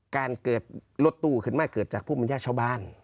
การเกิดรถตู้ขึ้นมาเกิดจากผู้มัญญาชาวบ้าน